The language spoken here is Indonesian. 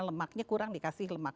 lemaknya kurang dikasih lemak